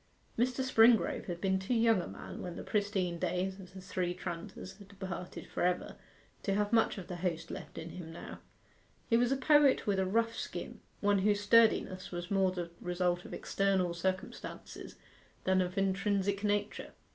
Mr. Springrove had been too young a man when the pristine days of the Three Tranters had departed for ever to have much of the host left in him now. He was a poet with a rough skin: one whose sturdiness was more the result of external circumstances than of intrinsic nature.